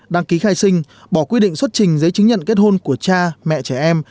đăng ký khai sinh bỏ quy định xuất trình giấy chứng nhận kết hôn của cha mẹ trẻ em